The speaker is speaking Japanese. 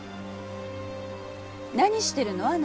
何してるの？